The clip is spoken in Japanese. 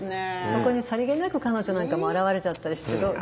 そこにさりげなく彼女なんかも現れちゃったりしてどうでしょう？